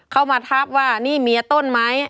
เขามาทักว่านี่เมียต้นไม้